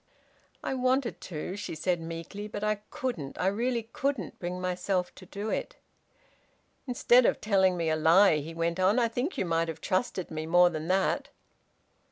"I wanted to," she said meekly. "But I couldn't. I really couldn't bring myself to do it." "Instead of telling me a lie," he went on. "I think you might have trusted me more than that."